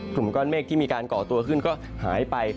กลุ่มก้อนเมฆที่มีการก่อตัวขึ้นก็หายไป